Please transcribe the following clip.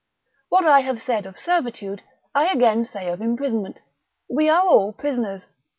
What I have said of servitude, I again say of imprisonment, we are all prisoners.